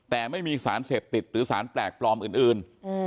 แต่ไม่มีสารเสพติดหรือสารแปลกปลอมอื่น